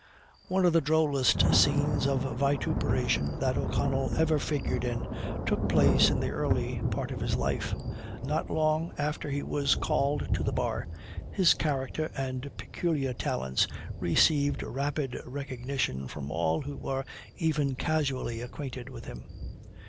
One of the drollest scenes of vituperation that O'Connell ever figured in took place in the early part of his life. Not long after he was called to the bar, his character and peculiar talents received rapid recognition from all who were even casually acquainted with him.